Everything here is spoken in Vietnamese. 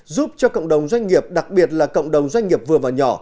giúp cho cộng đồng doanh nghiệp đặc biệt là cộng đồng doanh nghiệp vừa và nhỏ